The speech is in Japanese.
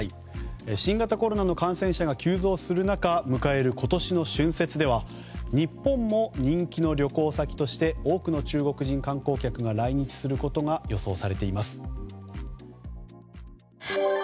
新型コロナの感染者が急増する中迎える、今年の春節では日本も人気の旅行先として多くの中国人観光客が来日することが予想されています。